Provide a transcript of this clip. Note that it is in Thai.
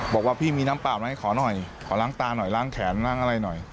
บอกว่าพี่มีน้ำเปล่าไหมขอหน่อยขอล้างตาหน่อยล้างแขนล้างอะไรหน่อย